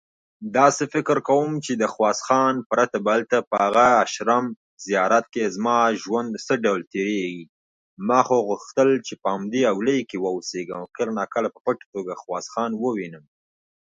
The pattern of cities is symmetric with respect to inversion about that center.